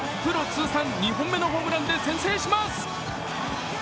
通算２本目のホームランで先制します。